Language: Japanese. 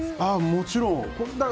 もちろん。